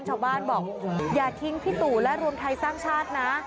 ชาวบ้านบอกอย่าทิ้งพี่ตู่และรวมไทยสร้างชาตินะ